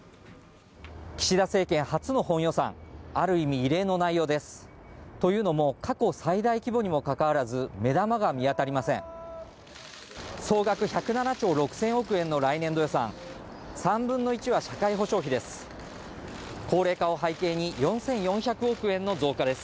岸田政権初の本予算ある意味異例の内容ですというのも過去最大規模にもかかわらず目玉が見当たりません総額１０７兆６０００億円の来年度予算３分の１は社会保障費です